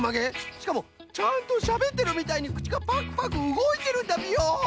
しかもちゃんとしゃべってるみたいにくちがパクパクうごいてるんだビヨン！